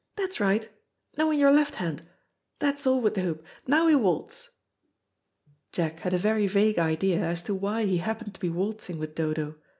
That's right; no, in your left hand. That's all with the hoop. Now we waltz." Jack had a very vague idea as to why he happened to be waltzing with Dodo.